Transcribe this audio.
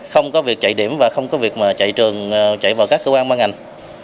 không có việc chạy điểm và không có việc mà chạy trường chạy vào các cơ quan ban ngành